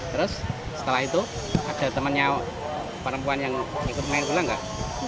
terus setelah itu ada temennya perempuan yang ikut main bola gak